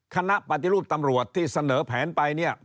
คณะปฏิรูปตำรวจที่เสนอแผนไปเนี่ย